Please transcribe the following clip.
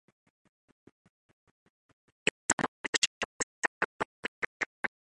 It is not known if the show is ever likely to return.